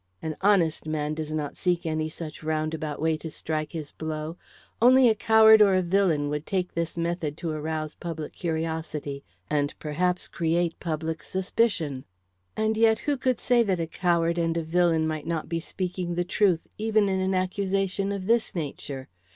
An honest man does not seek any such roundabout way to strike his blow. Only a coward or a villain would take this method to arouse public curiosity, and perhaps create public suspicion. And yet who could say that a coward and a villain might not be speaking the truth even in an accusation of this nature?